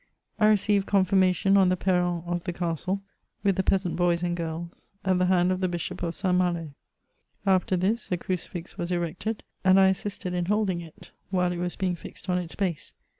I received eonfirmation on the perron of the castle, with the peasant boys aiid ^Is, at the hand of the Bishop of St. M alo. After this, a crucifix was erected, and I assisted in holding it, while it was being fixed on its base.